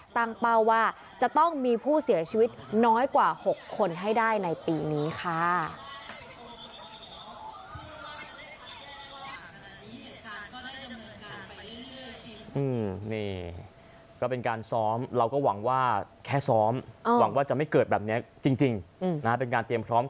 ตั้งเป้าว่าจะต้องมีผู้เสียชีวิตน้อยกว่า๖คนให้ได้ในปีนี้ค่ะ